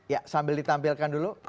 ya sambil ditampilkan dulu